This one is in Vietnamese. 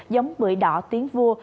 giống bưởi đỏ tiếng vua